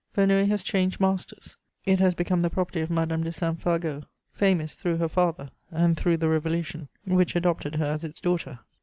Verneuil has changed masters; it has become the property of Madame de Saint Fargeau, famous through her father and through the Revolution, which adopted her as its daughter.